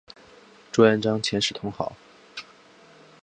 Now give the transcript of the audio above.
朱元璋遣使通好。